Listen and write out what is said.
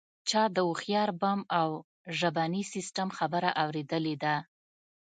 چا د هوښیار بم او ژبني سیستم خبره اوریدلې ده